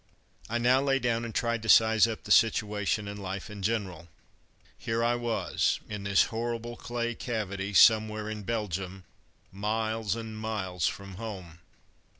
I now lay down and tried to size up the situation and life in general. Here I was, in this horrible clay cavity, somewhere in Belgium, miles and miles from home.